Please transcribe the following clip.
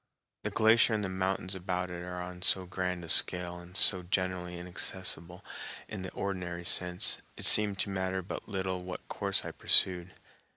The glacier and the mountains about it are on so grand a scale and so generally inaccessible in the ordinary sense, it seemed to matter but little what course I pursued.